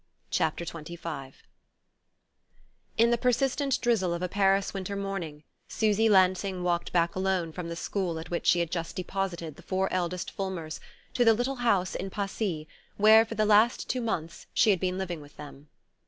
PART III XXV IN the persistent drizzle of a Paris winter morning Susy Lansing walked back alone from the school at which she had just deposited the four eldest Fulmers to the little house in Passy where, for the last two months, she had been living with them.